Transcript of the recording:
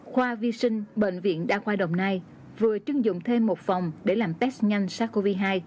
khoa vi sinh bệnh viện đa khoa đồng nai vừa chưng dụng thêm một phòng để làm test nhanh sars cov hai